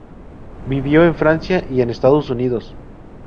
Vivió en Francia y en Estados Unidos.